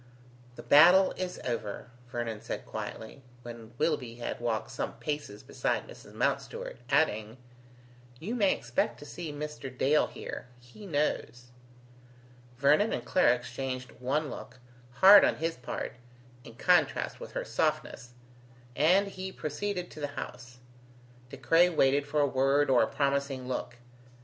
"The battle is over," Vernon said quietly, when Willoughby had walked some paces beside Mrs. Mountstuart, adding: "You may expect to see Mr. Dale here. He knows." Vernon and Clara exchanged one look, hard on his part, in contrast with her softness, and he proceeded to the house. De Craye waited for a word or a promising look.